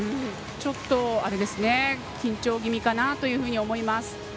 ちょっと緊張気味かなというふうに思います。